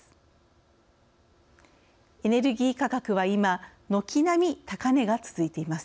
エネルギー価格は今軒並み高値が続いています。